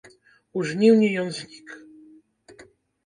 У жніўні ён знік.